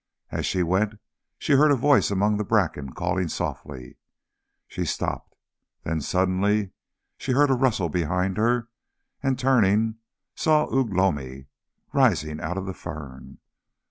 As she went she heard a voice among the bracken calling softly. She stopped. Then suddenly she heard a rustle behind her, and turning, saw Ugh lomi rising out of the fern.